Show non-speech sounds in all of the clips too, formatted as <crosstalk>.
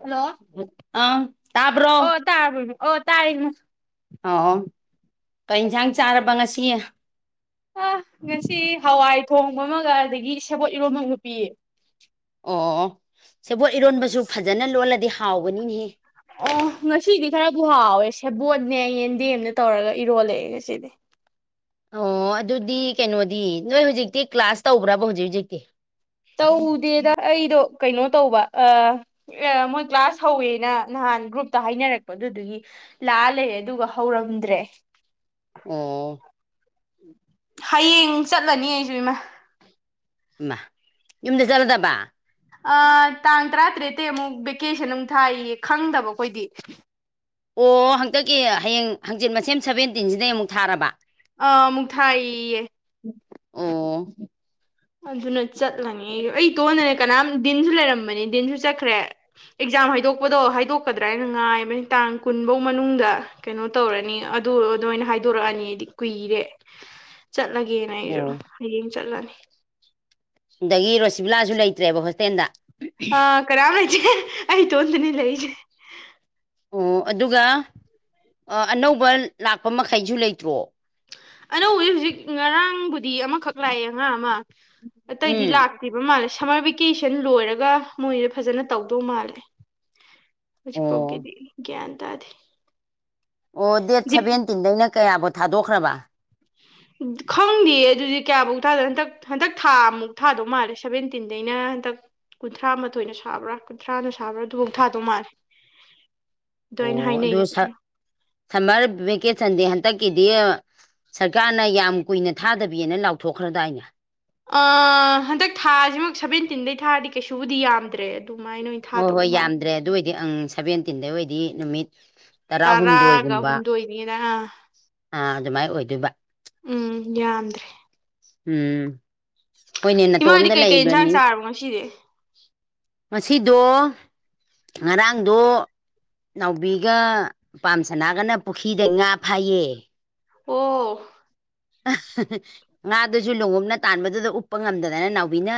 hello ꯑ ꯇꯥꯕ꯭ꯔꯣ ꯇꯥꯕꯅꯤ <inaudible> ꯑꯣ ꯇꯥꯔꯅ ꯑꯣ ꯀꯩ ꯏꯟꯁꯥꯡ ꯆꯥꯔꯕ ꯉꯁꯤ ꯑ ꯉꯁꯤ ꯍꯋꯥꯏ ꯊꯣꯡꯕ ꯑꯃꯒ ꯑꯗꯒꯤ ꯁꯦꯕꯣꯠ ꯏꯔꯣꯟꯕꯒ ꯄꯤꯌꯦ ꯑꯣ ꯁꯦꯕꯣꯠ ꯏꯔꯣꯟꯕꯁꯨ ꯐꯖꯅ ꯂꯣꯜꯂꯗꯤ ꯍꯥꯎꯕꯅꯤꯅꯦꯍꯦ ꯑꯣ ꯉꯁꯤꯗꯤ ꯈꯔꯕꯨ ꯍꯥꯎꯋꯦ ꯁꯦꯕꯣꯠꯅꯦ ꯌꯦꯟꯗꯦꯝꯅ ꯇꯧꯔꯒ ꯏꯔꯣꯜꯂꯛꯑꯦ ꯉꯁꯤꯗꯤ ꯑꯣ ꯑꯗꯨꯗꯤ ꯀꯩꯅꯣꯗꯤ ꯅꯣꯏ ꯍꯧꯖꯤꯛꯇꯤ ꯀ꯭ꯂꯥꯁ ꯇꯧꯕ꯭ꯔꯕ ꯍꯧꯖꯤꯛ ꯍꯧꯖꯤꯛꯇꯤ ꯇꯧꯗꯦꯗ ꯑꯩꯗꯣ ꯀꯩꯅꯣ ꯇꯧꯕ ꯑ ꯃꯣꯏ ꯀ꯭ꯂꯥꯁ ꯍꯧꯋꯦꯅ ꯅꯍꯥꯟ ꯒ꯭ꯔꯨꯞꯇ ꯍꯥꯏꯅꯔꯛꯄ ꯑꯗꯨꯗꯨꯒꯤ ꯂꯥꯛꯑ ꯂꯩ ꯑꯗꯨꯒ ꯍꯧꯔꯝꯗ꯭ꯔꯦ ꯑꯣ ꯍꯌꯦꯡ ꯆꯠꯂꯅꯤ ꯑꯩꯁꯨ ꯏꯃꯥ ꯌꯨꯝꯗ ꯆꯠꯂꯗꯕ ꯑ ꯇꯥꯡ ꯇꯔꯥꯇꯔꯦꯇꯩ ꯑꯃꯨꯛ ꯚꯦꯀꯦꯁꯟ ꯑꯃꯨꯛ ꯊꯥꯏꯌꯦ ꯈꯪꯗꯕ ꯑꯩꯈꯣꯏꯗꯤ ꯑꯣ ꯍꯟꯇꯛꯀꯤ ꯍꯌꯦꯡ ꯍꯪꯆꯤꯠ ꯃꯁꯦꯝ ꯁꯕꯦꯟꯇꯤꯟꯁꯤꯗꯩ ꯑꯃꯨꯛ ꯊꯥꯔꯕ ꯑꯃꯨꯛ ꯊꯥꯏꯌꯦ ꯑꯣ ꯑꯗꯨꯅ ꯆꯠꯂꯅꯤ ꯑꯩꯇꯣꯟꯗꯅꯦ ꯀꯅꯥꯝ ꯗꯤꯟꯁꯨ ꯂꯩꯔꯝꯕꯅꯤ ꯗꯤꯟꯁꯨ ꯆꯠꯈ꯭ꯔꯦ ꯑꯦꯛꯖꯥꯝ ꯍꯥꯏꯗꯣꯛꯄꯗꯣ ꯍꯥꯏꯗꯣꯛꯀꯗ꯭ꯔꯥ ꯍꯥꯏꯅ ꯉꯥꯏꯕꯅꯤ ꯇꯥꯡ ꯀꯨꯟꯐꯧ ꯃꯅꯨꯡꯗ ꯀꯩꯅꯣ ꯇꯧꯔꯅꯤ ꯑꯗꯨ ꯑꯗꯨꯃꯥꯏꯅ ꯍꯥꯏꯗꯣꯔꯛꯑꯅꯤꯗꯤ ꯀꯨꯏꯔꯦ <unintelligible> ꯆꯠꯂꯒꯦꯅ ꯑꯩꯁꯨ ꯑꯣ ꯍꯌꯦꯡ ꯆꯠꯂꯅꯤ ꯑꯗꯒꯤ ꯔꯣꯁꯤꯕꯤꯂꯥꯁꯨ ꯂꯩꯇ꯭ꯔꯦꯕ ꯍꯣꯁꯇꯦꯜꯗ ꯑ ꯀꯅꯥꯝ ꯂꯩꯇꯔꯦ ꯑꯩ ꯢꯇꯣꯝꯇꯅꯤ ꯂꯩꯖꯦ ꯑꯣ ꯑꯗꯨꯒ ꯑꯅꯧꯕ ꯂꯥꯛꯄ ꯃꯈꯩꯁꯨ ꯂꯩꯇ꯭ꯔꯣ ꯑꯅꯧ ꯍꯧꯖꯤꯛ ꯍꯧꯖꯤꯛ ꯉꯔꯥꯡꯕꯨꯗꯤ ꯑꯃꯈꯛ ꯂꯥꯛꯑꯦ ꯑꯉꯥꯡ ꯑꯃ ꯑꯇꯩꯗꯤ ꯎꯝ ꯂꯥꯛ ꯄꯤꯕ ꯃꯥꯜꯂꯦ ꯁꯝꯃꯔ ꯚꯦꯀꯦꯁꯟ ꯂꯣꯏꯔꯒ ꯃꯣꯏꯁꯦ ꯐꯖꯅ ꯇꯧꯗꯧ ꯃꯥꯜꯂꯦ ꯍꯧꯖꯤꯛ ꯑꯣ ꯐꯥꯎꯒꯤꯗꯤ ꯒꯌꯥꯟ ꯇꯥꯗꯦ ꯑꯣ ꯗꯦꯠ ꯗꯤꯞ ꯁꯦꯚꯦꯟꯇꯤꯟꯗꯩꯅ ꯀꯌꯥꯕꯧ ꯊꯥꯗꯣꯛꯈ꯭ꯔꯕ ꯈꯪꯗꯦ ꯑꯗꯨꯗꯤ ꯀꯌꯥꯃꯧꯛ ꯊꯥꯗꯣꯏꯅ ꯍꯟꯗꯛ ꯍꯟꯗꯛ ꯊꯥꯃꯨꯛ ꯊꯥꯗꯧ ꯃꯥꯜꯂꯦ ꯁꯚꯦꯟꯇꯤꯟꯗꯩꯅ ꯍꯟꯗꯛ ꯀꯨꯟꯊ꯭ꯔꯥ ꯃꯥꯊꯣꯏꯅ ꯁꯥꯕ꯭ꯔꯥ ꯀꯨꯟꯊ꯭ꯔꯥꯅ ꯁꯥꯕ꯭ꯔꯥ ꯑꯗꯨꯐꯥꯎ ꯊꯥꯗꯧ ꯃꯥꯜꯂꯦ ꯑꯗꯣ ꯑꯣ ꯑꯩꯅ ꯑꯗꯨ ꯍꯥꯏꯅꯩꯌꯦꯕ ꯁꯝꯃꯔ ꯚꯦꯀꯦꯁꯟꯗꯦ ꯍꯟꯗꯛꯀꯤꯗꯤ ꯁꯔꯀꯥꯔꯅ ꯌꯥꯝ ꯀꯨꯏꯅ ꯊꯥꯗꯕꯤꯅ ꯂꯥꯎꯊꯣꯛꯈ꯭ꯔꯗꯥꯏꯅꯦ ꯑ ꯍꯟꯗꯛ ꯊꯥꯁꯤꯃꯛ ꯁꯚꯦꯟꯇꯤꯟꯗꯩ ꯊꯥꯔꯗꯤ ꯀꯩꯁꯨꯕꯨꯗꯤ ꯌꯥꯝꯗ꯭ꯔꯦ ꯑꯗꯨꯃꯥꯏꯅ ꯑꯣꯏꯅ ꯍꯣꯏ ꯍꯣꯏ ꯊꯥꯗꯧꯕ ꯃꯥꯜꯂꯦ ꯌꯥꯝꯗ꯭ꯔꯦ ꯑꯗꯨ ꯑꯣꯏꯗꯤ ꯑꯪ ꯁꯚꯦꯟꯇꯤꯟꯗꯩ ꯑꯣꯏꯗꯤ ꯅꯨꯃꯤꯠ ꯇꯔꯥꯒ ꯇꯔꯥꯍꯨꯝꯗꯣꯏꯒꯨꯝꯕ ꯑꯍꯨꯝꯗ ꯑꯣꯏꯅꯤꯅ ꯑ ꯑꯗꯨꯃꯥꯏꯅ ꯑꯣꯏꯗꯣꯏꯕ ꯎꯝ ꯌꯥꯝꯗ꯭ꯔꯦ ꯎꯝ ꯍꯣꯏꯅꯦ ꯏꯃꯥꯗꯤ ꯅꯥꯇꯣꯝꯇ ꯀꯩꯀꯩ ꯏꯟꯁꯥꯡ ꯂꯩꯕ꯭ꯔꯅꯤ ꯆꯥꯔꯕ ꯉꯁꯤꯗꯤ ꯉꯁꯤꯗꯣ ꯉꯔꯥꯡꯗꯣ ꯅꯥꯎꯕꯤꯒ ꯄꯥꯝꯁꯅꯥꯒꯅ ꯄꯨꯈ꯭ꯔꯤꯗ ꯉꯥ ꯐꯩꯌꯦ ꯑꯣ ꯉꯥꯗꯨꯁꯨ ꯂꯨꯍꯣꯝꯅ ꯇꯥꯟꯕꯗꯨꯗ ꯎꯞꯄ ꯉꯝꯗꯗꯅ ꯅꯥꯎꯕꯤꯅ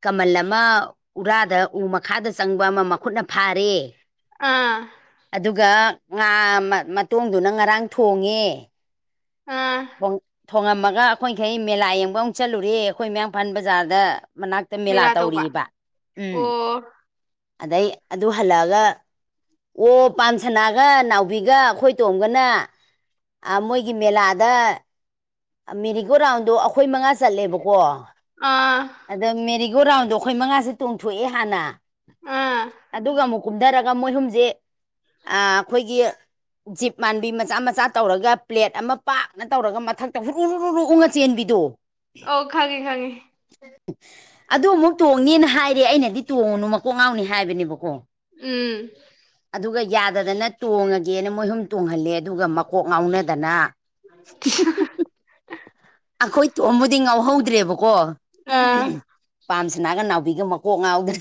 ꯀꯃꯜ ꯑꯃ ꯎꯔꯥꯗ ꯎ ꯃꯈꯥꯗ ꯆꯪꯕ ꯑꯃ ꯃꯈꯨꯠꯅ ꯐꯥꯔꯦ ꯑꯥ ꯑꯗꯨꯒ ꯉꯥ ꯃꯇꯣꯡꯗꯨꯅ ꯉꯔꯥꯡ ꯊꯣꯡꯉꯦ ꯎꯝ ꯊꯣꯉꯝꯃꯒ ꯑꯩꯈꯣꯏꯈꯩ ꯃꯦꯂꯥ ꯌꯦꯡꯕ ꯑꯃꯨꯛ ꯆꯠꯂꯨꯔꯦ ꯑꯩꯈꯣꯏ ꯃꯌꯥꯡꯐꯥꯟ ꯕꯖꯥꯔꯗ ꯃꯅꯥꯛ ꯍꯦꯛꯇ ꯃꯦꯂꯥ ꯇꯧꯔꯤꯑꯔꯤꯕ ꯎꯝ ꯑꯣ ꯑꯗꯩ ꯑꯗꯨ ꯍꯜꯂꯛꯑꯒ ꯑꯣ ꯄꯥꯝꯁꯅꯥꯒ ꯅꯥꯎꯕꯤꯒ ꯑꯩꯈꯣꯏ ꯇꯣꯝꯒꯅ ꯃꯣꯏꯒꯤ ꯃꯦꯂꯥꯗ ꯃꯦꯔꯤꯒꯣ ꯔꯥꯎꯟꯗꯣ ꯑꯩꯈꯣꯏ ꯃꯉꯥ ꯆꯠꯂꯦꯕꯀꯣ ꯑꯥ ꯑꯗ ꯃꯦꯔꯤꯒꯣ ꯔꯥꯎꯟꯗꯣ ꯑꯩꯈꯣꯏ ꯃꯉꯥꯁꯦ ꯇꯣꯡꯊꯣꯛꯑꯦ ꯍꯥꯟꯅ ꯑꯥ ꯑꯗꯨꯒ ꯑꯃꯨꯛ ꯀꯨꯝꯊꯔꯒ ꯃꯣꯏꯍꯨꯝꯁꯦ ꯑꯩꯈꯣꯏꯒꯤ ꯖꯤꯞ ꯃꯥꯟꯕꯤ ꯃꯆꯥ ꯃꯆꯥ ꯇꯧꯔꯒ ꯄ꯭ꯂꯦꯠ ꯑꯃ ꯄꯥꯛꯅ ꯇꯧꯔꯒ ꯃꯊꯛ ꯇꯧ ꯍꯨꯔꯨ ꯍꯨꯔꯣꯛꯎ ꯉ ꯆꯦꯟꯕꯤꯗꯣ ꯑꯣ ꯈꯥꯒꯦ ꯈꯥꯒꯦ ꯑꯗꯨ ꯑꯃꯨꯛ ꯇꯣꯡꯅꯦꯅ ꯍꯥꯏꯔꯦ ꯑꯩꯅꯗꯤ ꯇꯣꯡꯉꯨꯅꯨ ꯃꯀꯣꯛ ꯉꯥꯎꯅꯤ ꯍꯥꯏꯕꯅꯦꯕꯀꯣ ꯎꯝ ꯑꯗꯨꯒ ꯌꯥꯗꯗꯅ ꯇꯣꯡꯉꯒꯦꯅ ꯃꯣꯏꯍꯨꯝ ꯇꯣꯡꯍꯜꯂꯦ ꯑꯗꯨꯒ ꯃꯀꯣꯛ ꯉꯥꯎꯅꯗꯅ <unintelligible> ꯑꯩꯈꯣꯏ ꯇꯣꯕꯨꯗꯤ ꯉꯥꯎꯍꯧꯗ꯭ꯔꯦꯕꯀꯣ ꯑꯥ ꯄꯥꯝꯁꯅꯥꯒ ꯅꯥꯎꯕꯤꯒ ꯃꯀꯣꯛ ꯉꯥꯎꯗ꯭ꯔꯦ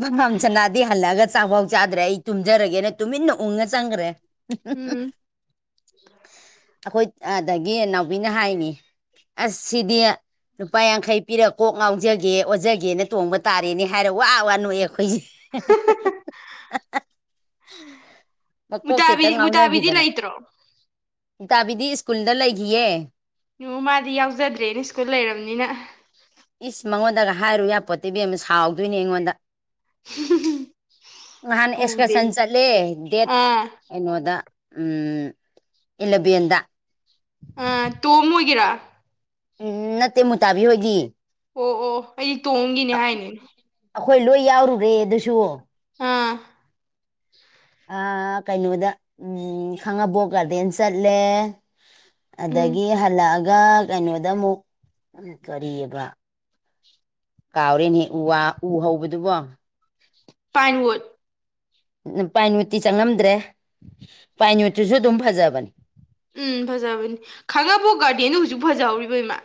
ꯄꯥꯝꯁꯅꯥꯗꯤ ꯍꯜꯂꯑꯒ ꯆꯥꯛꯐꯥꯎ ꯆꯥꯗ꯭ꯔꯦ ꯑꯩ ꯇꯨꯝꯖꯔꯒꯦꯅ ꯇꯨꯃꯤꯟꯅ ꯎꯡꯉ ꯆꯪꯈ꯭ꯔꯦ ꯎꯝ ꯑꯩꯈꯣꯏ ꯑꯗꯒꯤ ꯏ ꯅꯥꯎꯕꯤꯅ ꯍꯥꯏꯅꯤ ꯑꯁ ꯁꯤꯗꯤ ꯄꯄꯥ ꯌꯥꯡꯈꯩ ꯄꯤꯔꯒ ꯀꯣꯛ ꯉꯥꯎꯖꯒꯦ ꯑꯣꯖꯒꯦꯅ ꯇꯣꯡꯕ ꯇꯥꯔꯦꯅꯦ ꯍꯥꯏꯔ ꯋꯥ ꯋꯥ ꯅꯣꯛꯑꯦ ꯑꯩꯈꯣꯏꯁꯦ <unintelligible> ꯃꯀꯣꯛ ꯆꯦꯠꯇ ꯃꯨꯇꯥꯕꯤ ꯃꯨꯇꯥꯕꯤꯗꯤ ꯉꯥꯎꯅꯈꯤꯗꯅ ꯂꯩꯇ꯭ꯔꯣ ꯏꯇꯥꯕꯤꯗꯤ ꯁ꯭ꯀꯨꯜꯗ ꯂꯩꯈꯤꯌꯦ ꯉ ꯃꯥꯗꯤ ꯌꯥꯎꯖꯗ꯭ꯔꯦꯅ ꯁ꯭ꯀꯨꯜ ꯂꯩꯔꯕꯅꯤꯅ ꯏꯁ ꯃꯉꯣꯟꯗꯒ ꯍꯥꯏꯔꯨ ꯌꯥꯄꯣꯠꯇꯤꯕꯤ ꯑꯃ ꯁꯥꯎꯗꯣꯏꯅꯦ ꯑꯩꯉꯣꯟꯗ ꯅꯍꯥꯟꯅ ꯄꯨꯗꯦ ꯑꯦꯛꯁꯀꯔꯁꯟ ꯆꯠꯂꯦ ꯗꯦꯠ ꯑꯥ ꯀꯩꯅꯣꯗ ꯏꯂꯕꯦꯟꯗ ꯇꯣꯝ ꯑꯣꯏꯒꯦꯔꯥ ꯎꯝ ꯅꯠꯇꯦ ꯃꯨꯇꯥꯕꯤ ꯍꯣꯏꯗꯤ ꯑꯣ ꯑꯣ ꯑꯩꯗꯤ ꯇꯣꯝꯒꯤꯅꯦ ꯍꯥꯏꯅꯦ ꯑꯩꯈꯣꯏ ꯂꯣꯏ ꯌꯥꯎꯔꯨꯔꯦ ꯑꯗꯨꯁꯨ ꯍꯥꯝ ꯀꯩꯅꯣꯗ ꯎꯝ ꯈꯥꯡꯉꯕꯣꯛ ꯒꯥꯔꯗꯦꯟ ꯆꯠꯂꯦ ꯎꯝ ꯑꯗꯒꯤ ꯍꯜꯂꯛꯑꯒ ꯀꯩꯅꯣꯗ ꯑꯃꯨꯛ ꯀꯧꯔꯤꯑꯕ ꯀꯥꯎꯔꯦꯅꯦꯍꯦꯛ ꯎ ꯋꯥ ꯎ ꯍꯧꯕꯗꯨꯕꯣ ꯄꯥꯏꯟꯋꯗ ꯄꯥꯏꯌꯨꯠꯇꯤ ꯆꯪꯉꯝꯗ꯭ꯔꯦ ꯄꯥꯏꯅꯨꯠꯇꯤꯁꯨ ꯑꯗꯨꯝ ꯐꯖꯕꯅꯤ ꯎꯝ ꯐꯖꯕꯅꯤ ꯈꯥꯒꯥꯕꯣꯛ ꯒꯥꯔꯗꯅ ꯍꯧꯖꯤꯛ ꯐꯖꯍꯧꯔꯤꯕ ꯏꯃꯥ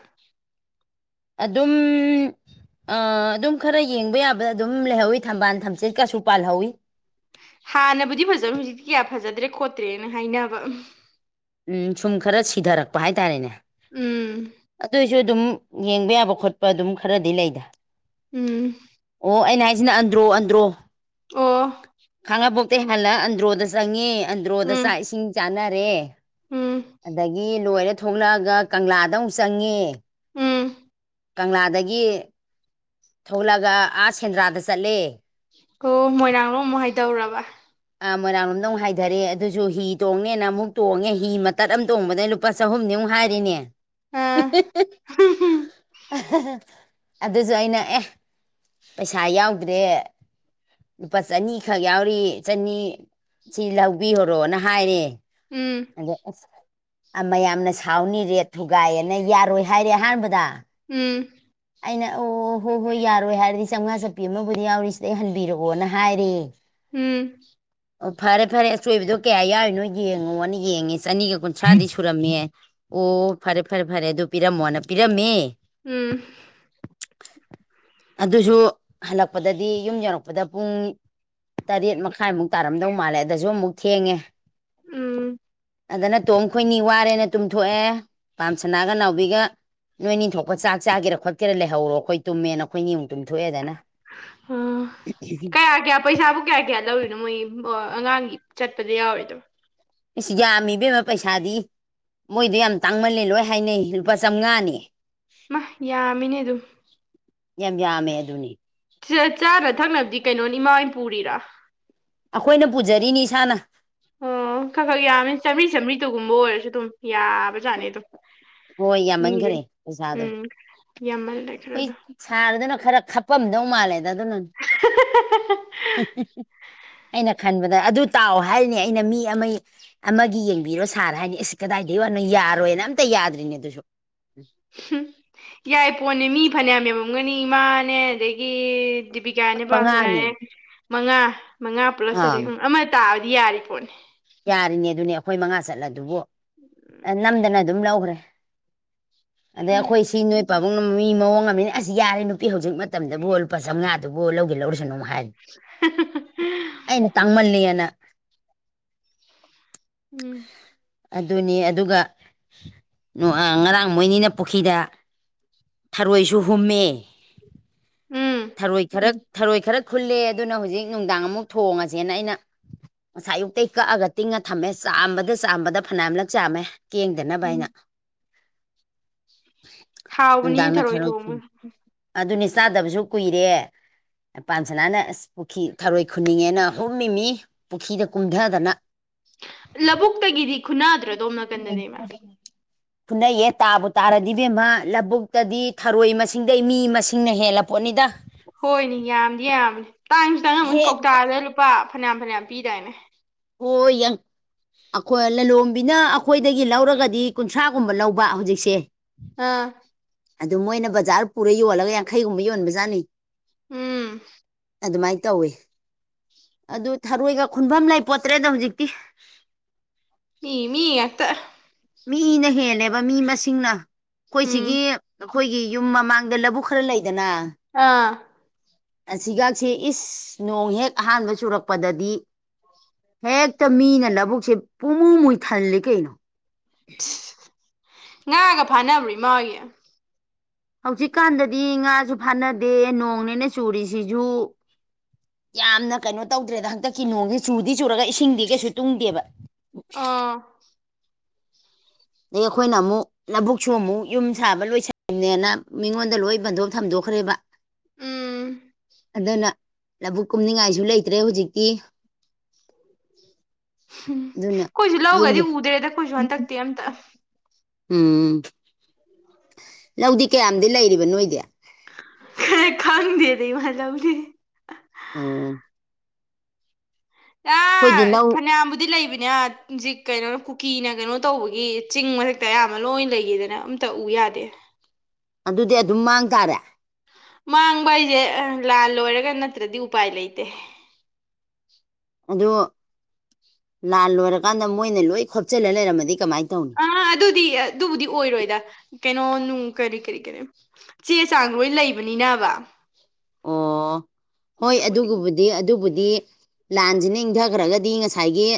ꯑꯗꯨꯝ ꯑ ꯑꯗꯨꯝ ꯈꯔ ꯌꯦꯡꯕ ꯌꯥꯕꯗ ꯑꯗꯨꯝ ꯂꯩꯍꯧꯋꯤ ꯊꯝꯕꯥꯜ ꯊꯝꯆꯠ ꯀꯁꯨ ꯄꯥꯜꯍꯧꯋꯤ ꯍꯥꯟꯅꯕꯨꯗꯤ ꯐꯖꯕ ꯍꯧꯖꯤꯛꯇꯤ ꯀꯌꯥ ꯐꯖꯗ꯭ꯔꯦ ꯈꯣꯠꯇ꯭ꯔꯦꯅ ꯍꯥꯏꯅꯕ ꯎꯝ ꯁꯨꯝ ꯈꯔ ꯁꯤꯊꯔꯛꯄ ꯍꯥꯏꯇꯥꯔꯦꯅꯦ ꯎꯝ ꯎꯝ ꯑꯗꯨꯑꯣꯏꯁꯨ ꯑꯗꯨꯝ ꯌꯦꯡꯕ ꯌꯥꯕ ꯈꯣꯠꯄ ꯑꯗꯨꯝ ꯈꯔꯗꯤ ꯂꯩꯗ ꯎꯝ ꯑꯣ ꯑꯩꯅ ꯍꯥꯏꯁꯤꯅ ꯑꯟꯗ꯭ꯔꯣ ꯑꯟꯗ꯭ꯔꯣ ꯑꯣ ꯈꯥꯡꯉꯕꯣꯛꯇꯩ ꯍꯥꯟꯂ ꯑꯟꯗ꯭ꯔꯣꯗ ꯆꯪꯉꯦ ꯑꯟꯗ꯭ꯔꯣꯗ ꯎꯝ ꯆꯥꯛ ꯏꯁꯤꯡ ꯆꯥꯅꯔꯦ ꯎꯝ ꯑꯗꯒꯤ ꯂꯣꯏꯔ ꯊꯣꯛꯂꯛꯑꯒ ꯀꯪꯂꯥꯗ ꯑꯃꯨꯛ ꯆꯪꯉꯦ ꯎꯝ ꯀꯪꯂꯥꯗꯒꯤ ꯊꯣꯛꯂꯛꯑꯒ ꯑꯥꯁ ꯁꯦꯟꯗ꯭ꯔꯥꯗ ꯆꯠꯂꯦ ꯑꯣ ꯃꯣꯏꯔꯥꯡꯂꯣ ꯑꯃꯨꯛ ꯍꯥꯏꯗꯧꯔꯕ ꯑ ꯃꯣꯏꯔꯥꯡꯂꯣꯝꯗꯧꯨꯛ ꯍꯥꯏꯊꯔꯦ ꯑꯗꯨꯁꯨ ꯍꯤ ꯇꯣꯡꯉꯦꯅ ꯑꯃꯨꯛ ꯇꯣꯡꯉꯦ ꯍꯤ ꯃꯇꯠ ꯑꯃ ꯇꯣꯡꯕꯗꯅ ꯂꯨꯄꯥ ꯆꯍꯨꯝꯅꯤꯃꯨꯛ ꯍꯥꯏꯔꯤꯅꯦ ꯑꯥ ꯑꯗꯨꯁꯨ ꯑꯩꯅ ꯑꯦ ꯄꯩꯁꯥ ꯌꯥꯎꯗ꯭ꯔꯦ ꯂꯨꯄꯥ ꯆꯅꯤꯈꯛ ꯌꯥꯎꯔꯤ ꯆꯅꯤ ꯁꯤ ꯂꯧꯕꯤꯈꯣꯔꯣꯅ ꯍꯥꯏꯔꯦ ꯎꯝ ꯑꯗ ꯑꯁ ꯃꯌꯥꯝꯅ ꯁꯥꯎꯅꯤ ꯔꯦꯠ ꯊꯨꯒꯥꯏꯌꯦꯅ ꯌꯥꯔꯣꯏ ꯍꯥꯏꯔꯦ ꯑꯍꯥꯟꯕꯗ ꯎꯝ ꯑꯩꯅ ꯑꯣ ꯍꯣꯏ ꯍꯣꯏ ꯌꯥꯔꯣꯏ ꯍꯥꯏꯔꯗꯤ ꯆꯥꯝꯃꯉꯥ ꯆꯠꯄꯤ ꯑꯃꯕꯨꯗꯤ ꯌꯥꯎꯔꯤꯁꯤꯗꯩ ꯍꯟꯕꯤꯔꯛꯑꯣꯅ ꯍꯥꯏꯔꯦ ꯎꯝ ꯑꯣ ꯐꯔꯦ ꯐꯔꯦ ꯑꯆꯣꯏꯕꯗꯣ ꯀꯌꯥ ꯌꯥꯎꯏꯅꯣꯏ ꯌꯦꯡꯉꯑꯣꯅ ꯌꯦꯡꯉꯤ ꯆꯅꯤꯒ ꯀꯨꯟꯊ꯭ꯔꯥꯗꯤ ꯁ ꯈꯨꯔꯝꯃꯦ ꯑꯣ ꯐꯔꯦ ꯐꯔꯦ ꯐꯔꯦ ꯑꯗꯨ ꯄꯤꯔꯝꯃꯣꯅ ꯄꯤꯔꯝꯃꯦ ꯎꯝ ꯑꯗꯨꯁꯨ ꯍꯜꯂꯛꯄꯗꯗꯤ ꯌꯨꯝ ꯌꯧꯔꯛꯄꯗ ꯄꯨꯡ ꯇꯔꯦꯠ ꯃꯈꯥꯏꯃꯨꯛ ꯇꯥꯔꯝꯗꯧ ꯃꯥꯜꯂꯦ ꯑꯗꯁꯨ ꯑꯃꯨꯛ ꯊꯦꯡꯉꯦ ꯎꯝ ꯑꯗꯨꯅ ꯇꯣꯝ ꯈꯣꯏꯅꯤ ꯋꯥꯔꯦꯅ ꯇꯨꯝꯊꯣꯛꯑꯦ ꯄꯥꯝꯁꯅꯥꯒ ꯅꯥꯎꯕꯤꯒ ꯅꯣꯏ ꯅꯤꯡꯊꯣꯛꯄ ꯆꯥꯛ ꯆꯥꯦꯔ ꯈꯣꯠꯀꯦꯔꯥ ꯂꯩꯍꯧꯔꯣ ꯑꯩꯈꯣꯏ ꯇꯨꯝꯃꯦꯅ ꯑꯩꯈꯣꯏ ꯅꯤꯌꯨꯛ ꯇꯨꯝꯊꯣꯛꯑꯦꯗꯅ ꯑꯣ ꯀꯥꯏ ꯑꯒꯦ ꯄꯩꯁꯥꯕꯨ ꯀꯌꯥ ꯀꯌꯥ ꯂꯧꯔꯤꯅꯣ ꯃꯣꯏꯒꯤ ꯑꯉꯥꯡꯒꯤ ꯆꯠꯄꯗ ꯌꯥꯎꯔꯤꯗꯣ ꯑꯁ ꯌꯥꯝꯃꯤꯕꯦꯝꯃ ꯄꯩꯁꯥꯗꯤ ꯃꯣꯏꯗꯣ ꯌꯥꯝ ꯇꯥꯡꯃꯜꯂꯦ ꯂꯣꯏ ꯍꯥꯏꯅꯩ ꯂꯨꯄꯥ ꯆꯥꯝꯃꯉꯥꯅꯦ ꯃꯥ ꯌꯥꯝꯃꯤꯅꯦ ꯑꯗꯨꯝ ꯌꯥꯝ ꯌꯥꯝꯃꯦ ꯑꯗꯨꯅꯤ ꯆꯥꯅ ꯊꯛꯅꯕꯗꯤ ꯀꯩꯅꯣꯅꯤ ꯏꯃꯥꯣꯏ ꯄꯨꯔꯤꯔꯥ ꯑꯩꯈꯣꯏꯅ ꯄꯨꯖꯔꯤꯅꯤ ꯏꯁꯥꯅ ꯑꯣ ꯈꯔ ꯈꯛ ꯌꯥꯝꯕꯅꯤ ꯆꯥꯝꯔꯤ ꯆꯥꯝꯔꯤꯗꯨꯒꯨꯝꯕ ꯑꯣꯏꯔꯁꯨ ꯑꯗꯨꯝ ꯌꯥꯕꯖꯥꯠꯅꯤ ꯑꯗꯨꯝ ꯍꯣꯏ ꯃꯤꯦ ꯌꯥꯝꯃꯟꯈꯔꯦ ꯄꯩꯁꯥꯗꯣ ꯎꯝ ꯌꯦꯃꯜ ꯂꯩꯈ꯭ꯔ ꯍꯣꯏ ꯑꯗꯨꯣ ꯁꯥꯔꯗꯨꯅ ꯈꯔ ꯈꯞꯄꯝꯗꯧ ꯃꯥꯜꯂꯦꯗ ꯑꯗꯨꯅꯤ ꯍꯦ-ꯍꯦ-ꯍꯦ ꯑꯩꯅ ꯈꯟꯕꯗ ꯑꯗꯨ ꯇꯥꯎꯑꯣ ꯍꯥꯏꯔꯤꯅꯦ ꯑꯩꯅ ꯃꯤ ꯑꯃꯒꯤ ꯑꯃꯒꯤ ꯌꯦꯡꯕꯤꯔꯣ ꯁꯥꯔ ꯍꯥꯏꯅꯤ ꯑꯁ ꯀꯗꯥꯏꯗꯒꯤꯩ ꯋꯥꯅꯣ ꯌꯥꯔꯣꯏꯅ ꯑꯝꯇ ꯌꯥꯗ꯭ꯔꯤꯅꯦ ꯑꯗꯨꯁꯨ ꯎ ꯌꯥꯏ ꯄꯣꯟꯅꯦ ꯃꯤ ꯐꯅꯌꯥꯝ ꯃꯦꯝꯃꯝꯒꯅꯤ ꯏꯃꯥꯅꯦ ꯑꯗꯒꯤ ꯗꯤꯕꯤꯀꯥꯅꯦ ꯑꯩꯈꯣꯏ ꯄꯝ ꯃꯉꯥꯅꯤ ꯆꯔꯦ ꯃꯉꯥ ꯃꯉꯥ ꯄꯨꯂꯁ ꯑꯥ ꯆꯔꯦꯠ ꯑꯃ ꯇꯥꯕꯗꯤ ꯌꯥꯔꯤ ꯄꯣꯠꯅꯤ ꯌꯥꯔꯤꯅꯦ ꯑꯗꯨꯅꯦ ꯑꯩꯈꯣꯏ ꯃꯉꯥ ꯆꯠꯂ ꯑꯗꯨꯕꯨ ꯅꯝꯗꯅ ꯑꯗꯨꯝ ꯂꯧꯈ꯭ꯔꯦ ꯑꯗꯩ ꯑꯩꯈꯣꯏ ꯁꯤ ꯅꯣꯏ ꯄꯕꯨꯡ ꯃꯤ ꯃꯑꯣꯡ ꯑꯃꯅꯤꯅ ꯑꯁ ꯌꯥꯔꯦ ꯅꯨꯄꯤ ꯍꯧꯖꯤꯛ ꯃꯇꯝꯗꯕꯨ ꯂꯨꯄꯥ ꯆꯥꯝꯉꯥꯗꯨꯕꯨ ꯂꯧꯒꯦ ꯂꯧꯔꯨꯁꯅꯨ ꯍꯥꯏꯔꯦ ꯍꯥ-ꯍꯥ-ꯍꯥ ꯑꯩꯅ ꯇꯥꯡꯃꯜꯂꯦ ꯍꯏꯅ ꯎꯝ ꯑꯗꯨꯅꯤ ꯑꯗꯨꯒ ꯉꯔꯥꯡ ꯃꯣꯏꯅꯤꯅ ꯄꯨꯈ꯭ꯔꯤꯗ ꯊꯔꯣꯏꯁꯨ ꯍꯨꯝꯃꯦ ꯎꯝ ꯊꯔꯣꯏ ꯈꯔ ꯊꯔꯣꯏ ꯈꯔ ꯈꯨꯜꯂꯦ ꯑꯗꯨꯅ ꯍꯧꯖꯤꯛ ꯅꯨꯡꯗꯥꯡ ꯑꯃꯨꯛ ꯊꯣꯡꯉꯁꯦꯅ ꯑꯩꯅ ꯉꯁꯥꯏ ꯑꯌꯨꯛꯇ ꯀꯛꯑꯒ ꯇꯤꯡꯉ ꯊꯝꯃꯦ ꯆꯥꯝꯕꯗ ꯆꯥꯝꯕꯗ ꯐꯅꯝꯂꯛ ꯆꯥꯝꯃꯦ ꯀꯦꯡꯗꯅꯕ ꯍꯥꯏꯅ ꯎꯝ ꯍꯥꯎꯕꯅꯤ ꯅꯨꯡꯗꯥꯡꯅ ꯊꯣꯡꯕ ꯊꯔꯣꯏ <inaudible> ꯑꯗꯨꯅꯦ ꯆꯥꯗꯕꯁꯨ ꯀꯨꯏꯔꯦ ꯃꯄꯥꯥꯟ ꯁꯅꯥꯅ ꯑꯁ ꯄꯨꯈ꯭ꯔꯤ ꯊꯔꯣꯏ ꯈꯨꯅꯤꯡꯉꯦꯅ ꯍꯨꯝꯃꯤꯃꯤ ꯄꯨꯈ꯭ꯔꯤꯗ ꯀꯨꯝꯊꯗꯅ ꯂꯧꯕꯕꯨꯛꯇꯒꯤꯗꯤ ꯈꯨꯟꯅꯥꯗ꯭ꯔꯗꯣꯝ ꯅꯥꯀꯟꯗꯅꯦ ꯏꯃ ꯐꯨꯅꯩꯑ ꯇꯥꯕꯨ ꯇꯥꯔꯗꯤ ꯕꯦꯝꯃ ꯂꯕꯨꯛꯇꯗꯤ ꯊꯔꯣꯏ ꯃꯁꯤꯡꯗꯩ ꯃꯤ ꯃꯁꯤꯡꯅ ꯍꯦꯜꯂ ꯄꯨꯣꯅꯤꯗꯥ ꯍꯣꯏꯅꯦ ꯌꯥꯝꯗꯤ ꯌꯥꯝꯕꯅꯤ ꯇꯥꯏꯝꯁꯨꯇꯪ ꯑꯃꯨꯛ ꯍꯦꯛ ꯀꯧꯇꯥꯔꯗ ꯂꯨꯄꯥ ꯐꯅꯌꯥꯝ ꯐꯅꯌꯥꯝ ꯄꯤꯗꯥꯏꯅꯦ ꯍꯌꯪ ꯑꯩꯈꯣꯏ ꯂꯂꯣꯟꯣꯝꯕꯤꯅ ꯑꯩꯈꯣꯏꯗꯒꯤ ꯂꯧꯔꯒꯗꯤ ꯀꯨꯟꯊ꯭ꯔꯥꯒꯨꯝꯕ ꯂꯧꯕ ꯍꯧꯖꯤꯛꯁꯦ ꯑꯥ ꯑꯗꯨ ꯃꯣꯏꯅ ꯕꯖꯥꯔ ꯄꯨꯔ ꯌꯣꯜꯂꯒ ꯌꯥꯡꯈꯩꯒꯨꯝꯕ ꯌꯣꯟꯕꯖꯥꯠꯅꯤ ꯎꯝ ꯑꯗꯨꯃꯥꯏꯅ ꯇꯧꯋꯤ ꯑꯗꯨ ꯊꯔꯣꯏꯒ ꯈꯨꯟꯐꯝ ꯂꯩ ꯄꯣꯠꯇ꯭ꯔꯦꯗꯣ ꯍꯧꯖꯤꯛꯇꯤ ꯃꯤ ꯃꯤ ꯉꯥꯛꯇ ꯃꯤꯅ ꯍꯦꯜꯂꯦꯕ ꯃꯤ ꯃꯁꯤꯡꯅ ꯎꯝ ꯑꯩꯈꯣꯏꯁꯤꯒꯤ ꯅꯈꯣꯏꯒꯤ ꯌꯨꯝ ꯃꯃꯥꯡꯗ ꯂꯧꯕꯨꯛ ꯈꯔ ꯂꯩꯗꯅ ꯑꯥ ꯑꯁꯤꯒꯥꯛꯁꯦ ꯏꯁ ꯅꯣꯡ ꯍꯦꯛ ꯑꯍꯥꯟꯕ ꯆꯨꯔꯛꯄꯗꯗꯤ ꯍꯦꯛꯇ ꯃꯤꯅ ꯅꯕꯨꯛꯁꯦ ꯄꯨꯡꯃꯨ ꯃꯨꯣꯏ ꯊꯜꯂꯤ ꯀꯩꯅꯣ ꯉꯥꯒ ꯐꯥꯅꯕꯔꯤ ꯏꯃꯥꯒꯤ ꯍꯧꯖꯤꯛꯀꯥꯟꯗꯗꯤ ꯉꯥꯁꯨ ꯐꯥꯅꯗꯦ ꯅꯣꯡꯅꯦꯅ ꯆꯨꯔꯤꯁꯤꯁꯨ ꯌꯥꯝꯅ ꯀꯩꯅꯣ ꯇꯧꯗ꯭ꯔꯦꯗ ꯍꯟꯇꯛꯀꯤ ꯅꯣꯡꯁꯤꯦ ꯆꯨꯗꯤ ꯆꯨꯔꯒ ꯏꯁꯤꯡꯗꯤ ꯀꯩꯁꯨ ꯇꯨꯡꯗꯦꯕ ꯑꯥ ꯑꯗꯗꯒꯤ ꯑꯩꯈꯣꯏꯅ ꯑꯃꯨꯛ ꯂꯧꯕꯕꯨꯛꯁꯨ ꯑꯃꯨꯛ ꯌꯨꯝ ꯁꯥꯕ ꯂꯣꯏꯁꯤꯟ ꯅꯦꯅ ꯃꯤꯉꯣꯟꯗ ꯂꯣꯏ ꯕꯟꯗꯣꯛꯞ ꯊꯝꯗꯣꯛꯈ꯭ꯔꯦꯕ ꯎꯝ ꯑꯗꯨꯅ ꯂꯕꯨꯨꯛ ꯀꯨꯝꯅꯤꯡꯉꯥꯏꯁꯨ ꯂꯩꯇ꯭ꯔꯦ ꯍꯧꯖꯤꯛꯇꯤ ꯎꯝ ꯑꯗꯨꯅ ꯑꯩꯏꯁꯨ ꯌꯨꯝꯒꯤ ꯂꯧꯒꯗꯤ ꯎꯗ꯭ꯔꯦꯗ ꯑꯩꯈꯁꯨ ꯍꯟꯇꯛꯇꯤ ꯑꯝꯇ ꯎꯝ ꯂꯧꯗꯤ ꯀꯌꯥꯝꯗꯤ ꯂꯩꯔꯤꯕ ꯅꯣꯏꯗꯤ ꯀ ꯈꯥꯡꯅꯗ ꯂꯩ ꯃꯥꯖ ꯎ ꯑꯣ ꯑꯩꯈꯣꯏꯗꯤ ꯑꯦ ꯂꯧ ꯐꯅꯌꯥꯝꯕꯨꯗꯤ ꯂꯩꯕꯅꯦ ꯍꯧꯖꯤꯛ ꯀꯩꯅꯣ ꯀꯨꯀꯤꯅ ꯀꯩꯅꯣ ꯇꯧꯕꯒꯤ ꯆꯤꯡ ꯃꯊꯛꯇ ꯑꯌꯥꯝꯕ ꯂꯣꯏ ꯂꯩꯈꯤꯗꯅ ꯑꯝꯇ ꯎ ꯌꯥꯗꯦ ꯑꯗꯨꯗꯤ ꯑꯗꯨꯝ ꯃꯥꯡ ꯇꯥꯔꯦ ꯃꯥꯡꯕ ꯑꯩꯖꯦ ꯂꯥꯜ ꯂꯣꯏꯔꯒ ꯅꯠꯇ꯭ꯔꯗꯤ ꯎꯄꯥꯏ ꯂꯩꯇꯦ ꯑꯗꯣ ꯂꯥꯟ ꯂꯣꯏꯔꯀꯥꯟꯗ ꯃꯣꯏꯅ ꯂꯣꯏ ꯈꯣꯞꯆꯤꯜꯂ ꯂꯩꯔꯝꯃꯗꯤ ꯀꯃꯥꯏꯅ ꯇꯧꯅꯤ ꯑꯥ ꯑꯗꯨꯗꯤ ꯑꯗꯨꯕꯨꯗꯤ ꯑꯣꯏꯔꯣꯏꯗ ꯀꯩꯅꯣ ꯅꯨꯡ ꯀꯔꯤ ꯀꯔꯤ ꯀꯔꯤ ꯆꯦ ꯆꯥꯡ ꯂꯣꯏ ꯂꯩꯕꯅꯤꯅꯕ ꯑꯣ ꯍꯣꯏ ꯑꯗꯨꯕꯨꯗꯤ ꯑꯗꯨꯒꯕꯨꯗꯤ ꯗꯤ ꯑꯗꯨꯕꯨꯗꯤ ꯂꯥꯟꯁꯤꯅ ꯏꯪꯊꯈ꯭ꯔꯒꯗꯤ ꯉꯁꯥꯏꯒꯤ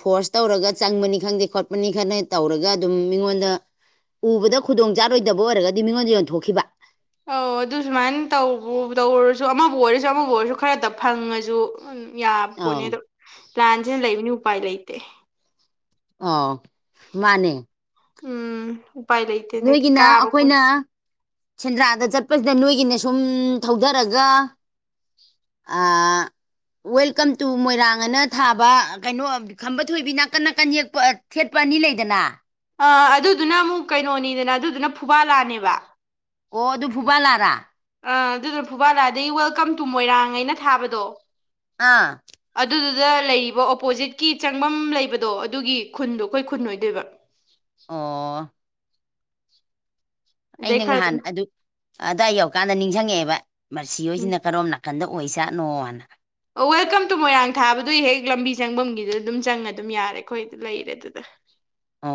ꯐꯣꯔꯁ ꯇꯧꯔꯒ ꯆꯪꯕꯅꯤ ꯈꯪꯗꯦ ꯈꯣꯠꯄꯅꯤ ꯈꯪꯗꯦ ꯇꯧꯔꯒ ꯑꯗꯨꯝ ꯃꯤꯉꯣꯟꯗ ꯎꯕꯗ ꯈꯨꯗꯣꯡ ꯆꯥꯔꯣꯏꯗꯕ ꯑꯣꯏꯔꯒꯗꯤ ꯃꯤꯉꯣꯟꯗ ꯌꯣꯟꯊꯣꯛꯈꯤꯕ ꯑꯣ ꯑꯗꯨ ꯁꯨꯃꯥꯏꯅ ꯇꯧꯕ ꯇꯧꯔꯁꯨ ꯑꯃꯕꯨ ꯑꯣꯏꯔꯁꯨ ꯑꯃꯕꯨ ꯑꯣꯏꯔꯁꯨ ꯈꯔꯗ ꯐꯪꯉꯁꯨ ꯎꯝ ꯌꯥꯕ ꯄꯣꯠꯅꯦ ꯑꯥꯎ ꯑꯗꯣ ꯂꯥꯟꯁꯤꯅ ꯂꯩꯕꯅꯤ ꯎꯄꯥꯏ ꯂꯩꯇꯦ ꯑ ꯃꯥꯅꯦ ꯎꯝ ꯎꯄꯥꯏ ꯂꯩꯇꯦ ꯍꯟꯗꯛ ꯅꯣꯏꯒꯤꯅ ꯀꯥꯕ ꯈꯣꯠ ꯑꯩꯈꯣꯏꯅ ꯁꯦꯟꯗ꯭ꯔꯥꯗ ꯆꯠꯄꯁꯤꯗ ꯅꯣꯏꯒꯤꯅꯦ ꯁꯨꯝ ꯊꯧꯙꯔꯒ ꯑ ꯋꯦꯜꯀꯝ ꯇꯨ ꯃꯣꯏꯔꯥꯡ ꯑꯅ ꯊꯥꯕ ꯀꯩꯅꯣ ꯈꯝꯕ ꯊꯣꯏꯕꯤ ꯅꯥꯀꯟ ꯅꯥꯀꯟ ꯌꯦꯛꯄ ꯊꯦꯠꯄ ꯑꯅꯤ ꯂꯩꯗꯅ ꯑ ꯑꯗꯨꯗꯨꯅ ꯑꯃꯨꯛ ꯀꯩꯅꯣꯅꯤꯗꯅ ꯑꯗꯨꯗꯨꯅ ꯐꯨꯕꯥꯜꯂꯥꯅꯦꯕ ꯑꯣ ꯑꯗꯨ ꯐꯨꯕꯜꯂꯥꯔꯥ ꯑ ꯑꯗꯨꯅ ꯐꯨꯕꯥꯜꯂꯥꯑꯗꯩ ꯋꯦꯜꯀꯝ ꯇꯨ ꯃꯣꯏꯔꯥꯡ ꯑꯩꯅ ꯊꯥꯕꯗꯣ ꯑꯥ ꯑꯗꯨꯗꯨꯗ ꯂꯩꯔꯤꯕ ꯑꯣꯄꯣꯖꯤꯠꯀꯤ ꯆꯪꯐꯝ ꯂꯩꯕꯗꯣ ꯑꯗꯨꯒꯤ ꯈꯨꯟꯗꯣ ꯑꯩꯈꯣꯏ ꯈꯨꯟ ꯑꯣꯏꯗꯣꯏꯕ ꯑꯣ ꯑꯗꯩ ꯑꯩꯅ ꯈꯔ ꯉꯍꯥꯟ ꯑꯗꯨꯝ ꯑꯗꯨ ꯑꯗꯥꯏ ꯌꯧꯔꯀꯥꯟꯗ ꯅꯤꯡꯁꯤꯡꯉꯛꯑꯦꯕ ꯃꯔꯁꯤ ꯍꯣꯏꯁꯤꯅ ꯎꯝ ꯀꯔꯣꯝꯅ ꯀꯟꯗ ꯑꯣꯏ ꯆꯥꯠꯅꯣꯅ ꯑꯣ ꯋꯦꯜꯀꯝ ꯇꯨ ꯃꯣꯏꯔꯥꯡ ꯊꯥꯕꯗꯨꯏ ꯍꯦꯛ ꯂꯝꯕꯤ ꯆꯪꯐꯝꯒꯤꯗꯨ ꯑꯗꯨꯝ ꯆꯪꯉ ꯑꯗꯨꯝ ꯌꯥꯔꯦ ꯑꯩꯈꯣꯏ ꯂꯩꯔꯦ ꯑꯗꯨ ꯑ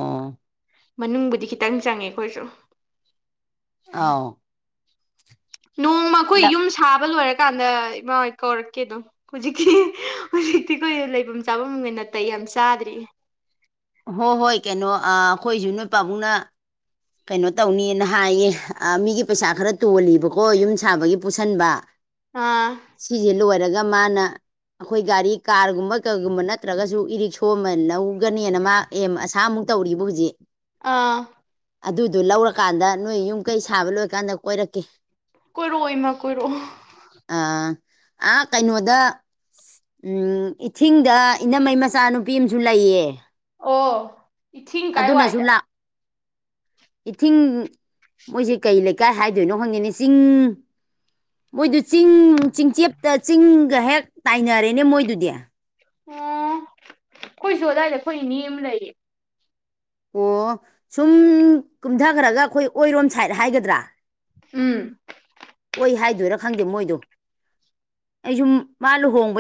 ꯃꯅꯨꯡꯕꯨꯗꯤ ꯈꯤꯇꯪ ꯆꯪꯉꯦ ꯑꯩꯈꯣꯏꯁꯨ ꯑꯥꯎ ꯅꯣꯡꯃ ꯑꯩꯈꯣꯏ ꯌꯨꯝ ꯁꯥꯕ ꯂꯣꯏꯔꯀꯥꯟꯗ ꯏꯃꯥ ꯍꯣꯏ ꯀꯧꯔꯛꯀꯦ ꯑꯗꯨꯝ ꯍꯧꯖꯤꯛꯀꯤ ꯍꯧꯖꯤꯛꯇꯤ ꯀꯈ ꯂꯩꯐꯝ ꯆꯥꯐꯝ ꯃꯩ ꯅꯇꯩꯦ ꯌꯥꯝ ꯆꯥꯗ꯭ꯔꯤ ꯍꯣꯏ ꯍꯣꯏ ꯀꯩꯅꯣ ꯑ ꯑꯩꯈꯣꯏꯁꯨ ꯅꯣꯏ ꯄꯥꯕꯨꯡꯅ ꯀꯩꯅꯣ ꯇꯧꯅꯤꯅ ꯍꯥꯏꯌꯦ ꯃꯤꯒꯤ ꯄꯩꯁꯥ ꯈꯔ ꯇꯣꯜꯂꯤꯕꯀꯣ ꯌꯨꯝ ꯁꯥꯕꯒꯤ ꯄꯨꯁꯤꯟꯕ ꯑꯥ ꯁꯤꯁꯦ ꯂꯣꯏꯔꯒ ꯃꯥꯅ ꯑꯩꯈꯣꯏ ꯒꯥꯔꯤ ꯀꯥꯔꯒꯨꯝꯕ ꯀꯩꯒꯨꯝꯕ ꯅꯠꯇ꯭ꯔꯒꯁꯨ ꯏꯔꯤꯛꯁꯣ ꯑꯃ ꯂꯧꯒꯅꯦꯅ ꯃꯥ ꯑꯦꯝ ꯑꯁꯥ ꯑꯃꯨꯛ ꯇꯧꯔꯤꯕ ꯍꯧꯖꯤꯛ ꯑꯥ ꯑꯗꯨꯗꫭ ꯂꯧꯔꯀꯥꯟꯗ ꯅꯣꯏ ꯌꯨꯝ ꯀꯩ ꯁꯥꯕ ꯂꯣꯏꯔꯀꯥꯟꯗ ꯀꯣꯏꯔꯛꯀꯦ ꯀꯔꯑꯣꯏ ꯃ ꯀꯔꯨ ꯑ ꯑ ꯀꯩꯅꯣꯗ ꯎꯝ ꯏꯊꯤꯡꯗ ꯏꯅꯝꯃꯩ ꯃꯆꯥꯅꯨꯄꯤ ꯑꯃꯁꯨ ꯂꯩꯌꯦ ꯑꯣ ꯏꯊꯤꯡ ꯀꯥꯏ ꯑꯗꯨꯅꯁꯨ ꯋꯥꯏꯗ ꯂꯥꯛ ꯏꯊꯤꯡ ꯃꯣꯏꯁꯦ ꯀꯩ ꯂꯩꯀꯥꯏ ꯍꯥꯏꯗꯣꯏꯅꯣ ꯈꯪꯗꯦꯅꯦ ꯆꯤꯡ ꯃꯣꯏꯗꯨ ꯆꯤꯡ ꯆꯤꯡꯆꯦꯞꯇ ꯆꯤꯡꯒ ꯍꯦꯛ ꯇꯥꯏꯅꯔꯦꯅꯦ ꯃꯣꯏꯗꯨꯗꯤ ꯑꯣ ꯑꯩꯈꯣꯏꯁꯨ ꯑꯗꯨꯗꯥꯏꯗ ꯑꯩꯈꯣꯏ ꯏ ꯑꯃ ꯂꯩꯌꯦ ꯑꯣ ꯁꯨꯝ ꯀꯨꯝꯙꯈ꯭ꯔꯒ ꯑꯩꯈꯣꯏ ꯑꯣꯏꯔꯣꯝ ꯁꯥꯏꯠ ꯍꯥꯏꯒꯗ꯭ꯔꯥ ꯎꯝ ꯑꯣꯏ ꯍꯥꯏꯗꫭꯏꯔ ꯈꯦꯗꯦ ꯃꯣꯏꯗꫭ ꯑꯩꯖꯨ ꯃꯥ ꯂꯨꯍꫭꯡꯕꯩꯗ